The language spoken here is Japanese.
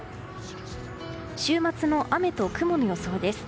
週末の雨と雲の予想です。